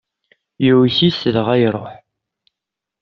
Yuyes-it dɣa iṛuḥ.